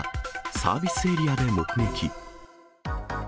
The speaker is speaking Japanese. サービスエリアで目撃。